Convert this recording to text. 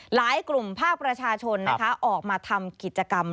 หลายกลุ่มภาคประชาชนนะคะออกมาทำกิจกรรม